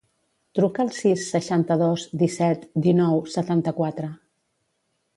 Truca al sis, seixanta-dos, disset, dinou, setanta-quatre.